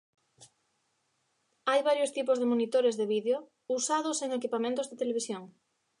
Hai varios tipos de monitores de vídeo usados en equipamentos de Televisión.